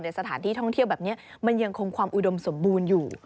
สถานที่ท่องเที่ยวแบบนี้มันยังคงความอุดมสมบูรณ์อยู่